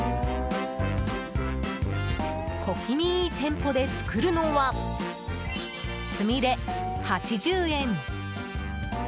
小気味いいテンポで作るのはつみれ、８０円。